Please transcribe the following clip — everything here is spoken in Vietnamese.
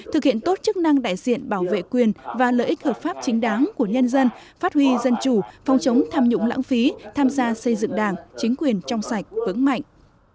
thực hiện tốt chức năng đại diện bảo vệ quyền và lợi ích hợp pháp chính đáng của nhân dân phát huy dân chủ phòng chống tham nhũng lãng phí tham gia xây dựng đảng chính quyền trong sạch vững mạnh